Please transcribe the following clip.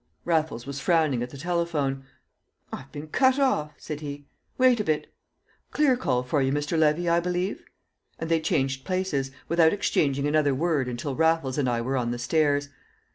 Raffles was frowning at the telephone. "I've been cut off," said he. "Wait a bit! Clear call for you, Mr. Levy, I believe!" And they changed places, without exchanging another word until Raffles and I were on the stairs.